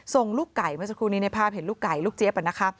ส่งลูกไก่เมื่อสักครู่นี้ในภาพเห็นลูกไก่ลูกเจี๊ยบนะคะ